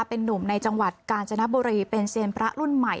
เป็นนุ่มในจังหวัดกาญจนบุรีเป็นเซียนพระรุ่นใหม่